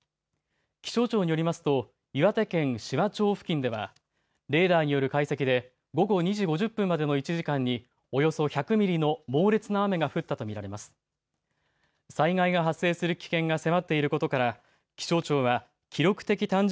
気象庁によりますと岩手県紫波町付近ではレーダーによる解析で午後２時５０分までの１時間におよそ１００ミリの猛烈な雨が降ったと見られます。